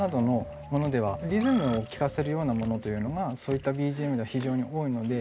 リズムを聞かせるようなものというのがそういったＢＧＭでは非常に多いので。